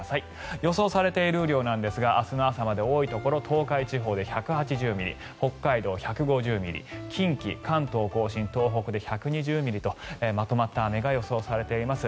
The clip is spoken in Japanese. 予想されている雨量ですが明日の朝まで多いところで東海地方で１８０ミリ北海道、１５０ミリ近畿、関東・甲信、東北で１２０ミリとまとまった雨が予想されています。